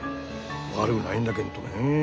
悪ぐないんだげんどねえ。